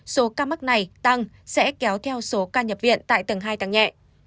số ca mắc này tăng sẽ kéo theo số ca nhập viện tại tầng hai tăng nhẹ